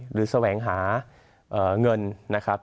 แสวงหาเงินนะครับ